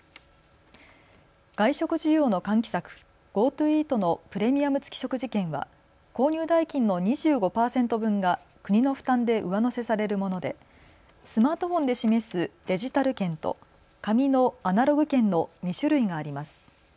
外食需要の喚起策、ＧｏＴｏイートのプレミアム付き食事券は購入代金の２５％分が国の負担で上乗せされるものでスマートフォンで示すデジタル券と紙のアナログ券の２種類があります。